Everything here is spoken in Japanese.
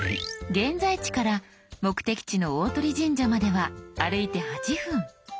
「現在地」から目的地の「大鳥神社」までは歩いて８分。